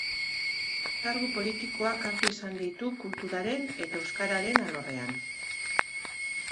Kargu politikoak hartu izan ditu kulturaren eta euskararen alorrean.